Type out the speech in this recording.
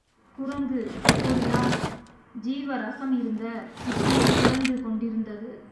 குரங்கு அப்போது தான் ஜீவரசம் இருந்த புட்டியைத் திறந்து கொண்டிருந்தது.